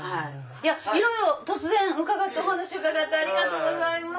いろいろ突然お話伺ってありがとうございます。